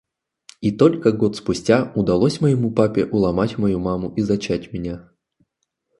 И только год спустя удалось моему папе уломать мою маму и зачать меня.